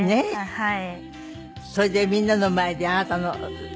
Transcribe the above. はい。